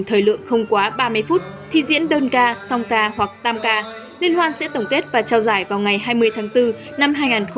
thời lượng không quá ba mươi phút thi diễn đơn ca song ca hoặc tam ca liên hoan sẽ tổng kết và trao giải vào ngày hai mươi tháng bốn năm hai nghìn hai mươi